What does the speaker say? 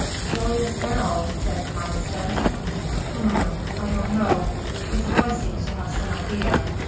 "Julius Beryl," said Conniston. "Hum! I don't know. This boy seems to have some idea.